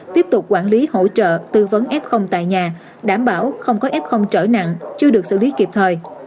tiếp tục quản lý hỗ trợ tư vấn f tại nhà đảm bảo không có f trở nặng chưa được xử lý kịp thời